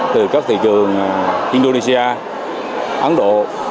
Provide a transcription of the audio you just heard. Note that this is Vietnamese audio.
từ các thị trường indonesia ấn độ